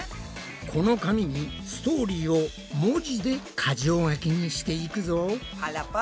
この紙にストーリーを文字で箇条書きにしていくぞ！